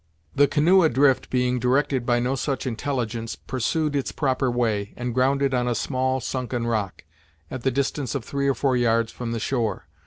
The canoe adrift being directed by no such intelligence, pursued its proper way, and grounded on a small sunken rock, at the distance of three or four yards from the shore.